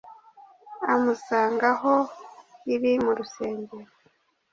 Amusanga aho iri mu rusengero